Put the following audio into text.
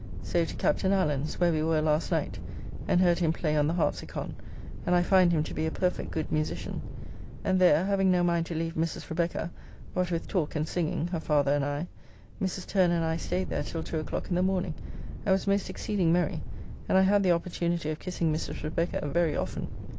So to Captain Allen's (where we were last night, and heard him play on the harpsicon, and I find him to be a perfect good musician), and there, having no mind to leave Mrs. Rebecca, what with talk and singing (her father and I), Mrs. Turner and I staid there till 2 o'clock in the morning and was most exceeding merry, and I had the opportunity of kissing Mrs. Rebecca very often.